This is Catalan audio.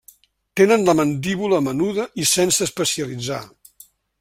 Tenen la mandíbula menuda i sense especialitzar.